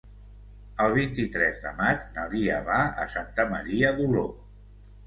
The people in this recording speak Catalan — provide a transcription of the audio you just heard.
El vint-i-tres de maig na Lia va a Santa Maria d'Oló.